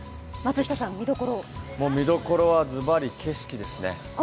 見どころはずばり景色ですね。